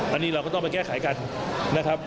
อันนี้เราก็ต้องไปแก้ไขกันนะครับ